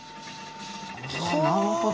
なるほど。